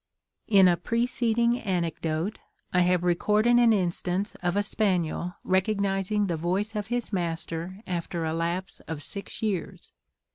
In a preceding anecdote, I have recorded an instance of a spaniel recognising the voice of his master after a lapse of six years.